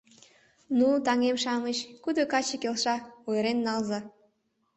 Ну, таҥем-шамыч, кудо каче келша — ойырен налза.